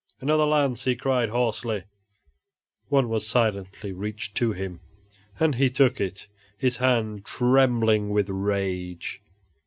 "Another lance!" he cried, hoarsely. One was silently reached to him and he took it, his hand trembling with rage.